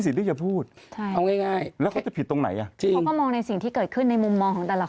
ถูกไหม